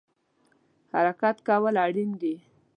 حرکت کول اړین دی